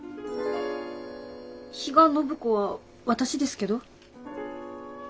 比嘉暢子は私ですけど。